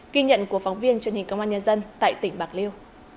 ghi nhận của phóng viên truyền hình công an nhân dân tại tỉnh bạc liêu